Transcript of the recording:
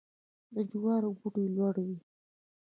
د جوارو بوټی لوړ وي.